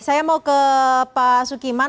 saya mau ke pak sukiman